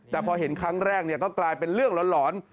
แต่พอเห็นครั้งแรกก็กลายเป็นเรื่องหลอน